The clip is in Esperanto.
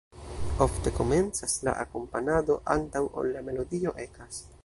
Ofte komencas la akompanado, antaŭ ol la melodio ekas.